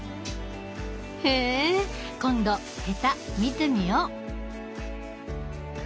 へぇ今度ヘタ見てみよう。